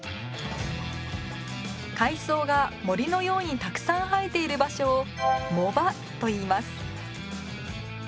海藻が森のようにたくさん生えている場所を藻場といいます